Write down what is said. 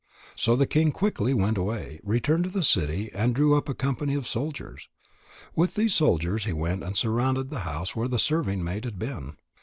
So the king quickly went away, returned to the city, and drew up a company of soldiers. With these soldiers he went and surrounded the house where the serving maid had been.